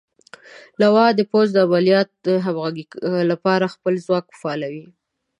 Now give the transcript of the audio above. لوا د پوځ د عملیاتو د همغږۍ لپاره خپل ځواک فعالوي.